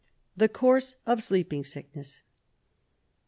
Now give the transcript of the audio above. The Course of Sleeping Sickness.